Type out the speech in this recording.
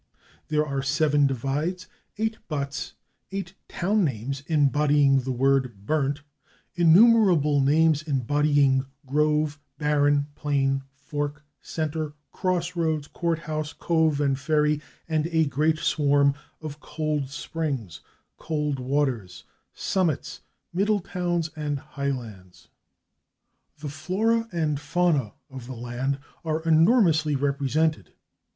There are seven /Divides/, eight /Buttes/, eight town names embodying the word /burnt/, innumerable names embodying /grove/, /barren/, /plain/, /fork/, /center/, /cross roads/, /courthouse/, /cove/ and /ferry/, and a great swarm of /Cold Springs/, /Coldwaters/, /Summits/, /Middletowns/ and /Highlands/. The flora and fauna of the land are enormously represented.